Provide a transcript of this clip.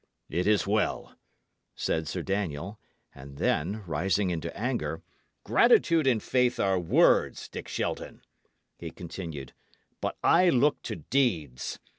"It is well," said Sir Daniel; and then, rising into anger: "Gratitude and faith are words, Dick Shelton," he continued; "but I look to deeds.